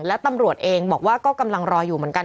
และตำรวจเองบอกว่าก็กำลังรออยู่เหมือนกัน